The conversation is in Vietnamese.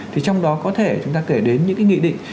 thì trong đó có thể chúng ta kể đến những cái nghị định